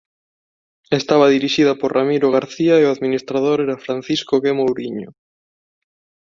Estaba dirixida por Ramiro García e o administrador era Francisco G. Mouriño.